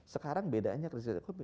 sekarang bedanya krisis ekonomi